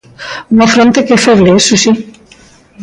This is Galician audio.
Unha fronte que é feble, iso si.